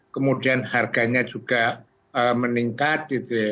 kemudian harganya juga meningkat